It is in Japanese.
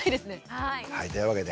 はいというわけで。